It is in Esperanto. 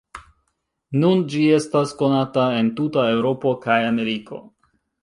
Nun ĝi estas konata en tuta Eŭropo kaj Ameriko.